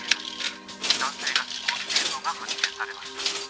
「男性が死亡しているのが発見されました」